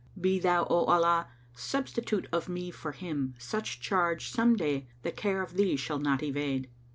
Be thou, O Allah, substitute of me for him * Such charge some day the care of Thee shall not evade."